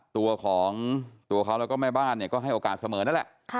ตัวเขาแล้วก็แม่บ้านให้โอกาสเสมอนั่นแหละ